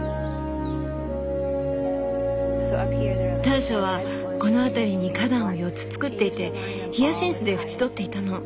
ターシャはこの辺りに花壇を４つ造っていてヒヤシンスで縁取っていたの。